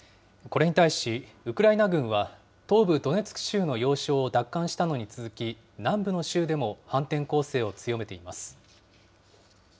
これに対し、ウクライナ軍は東部ドネツク州の要衝を奪還したのに続き、南部の州でも反転攻勢を強めています。